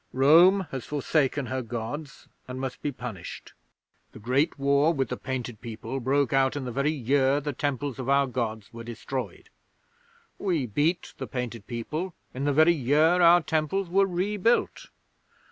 Rome has forsaken her Gods, and must be punished. The great war with the Painted People broke out in the very year the temples of our Gods were destroyed. We beat the Painted People in the very year our temples were rebuilt.